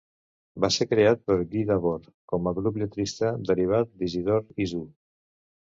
Va ser creat per Guy Debord com a grup lletrista derivat d'Isidore Isou.